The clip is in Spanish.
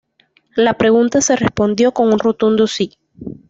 La pregunta se respondió con un rotundo "Sí".